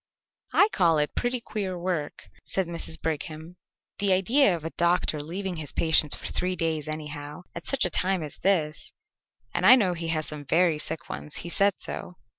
"I call it pretty queer work," said Mrs. Brigham. "The idea of a doctor leaving his patients for three days anyhow, at such a time as this, and I know he has some very sick ones; he said so.